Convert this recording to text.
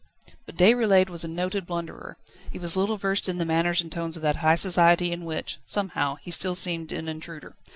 But Déroulède was a noted blunderer. He was little versed in the manners and tones of that high society in which, somehow, he still seemed an intruder.